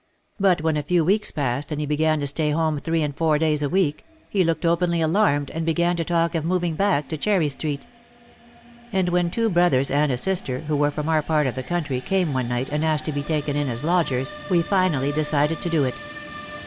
But when a few weeks passed and he began to stay home three and four days a week, he looked openly alarmed and began to talk of moving back to Cherry Street. And when two brothers and a sister, who were from our part of the country, came one night and asked to be taken in as "lodgers," we finally decided to do it.